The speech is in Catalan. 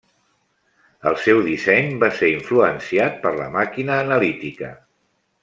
El seu disseny va ser influenciat per la Màquina Analítica.